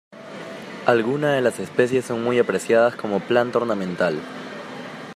Algunas de las especies son muy apreciadas como planta ornamental.